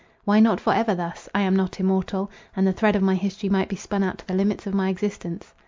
Why not for ever thus? I am not immortal; and the thread of my history might be spun out to the limits of my existence.